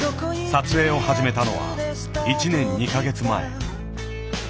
撮影を始めたのは１年２か月前。